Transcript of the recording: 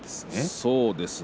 そうですね。